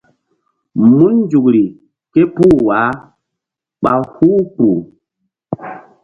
Mun nzukri ké puh wah ɓa huh kpuh.